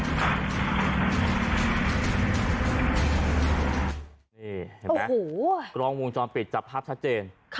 นี่เห็นไหมโอ้โหกรองวงจอมปิดจับภาพชัดเจนค่ะ